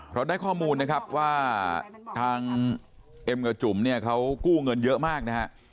เราได้ข้อมูลนะครับว่าทางเอ็มกับจุ๋มเนี่ยเขากู้เงินเยอะมากนะฮะ